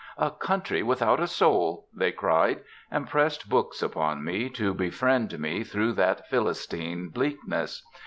'A country without a soul!' they cried, and pressed books upon me, to befriend me through that Philistine bleakness.